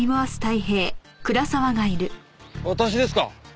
私ですか？